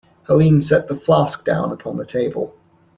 Helene set the flask down upon the table.